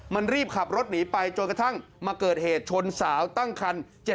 มันรีบขับรถหนีไปจนกระทั่งมาเกิดเหตุชนสาวตั้งคัน